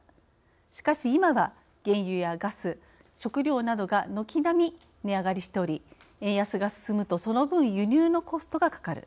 しかし今は原油やガス、食料などが軒並み値上がりしており円安が進むと、その分輸入のコストがかかる。